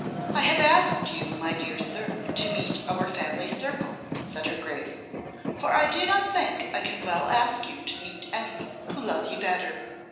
'I have asked you, my dear sir, to meet our family circle,' said her Grace, 'for I do not think I can well ask you to meet any who love you better.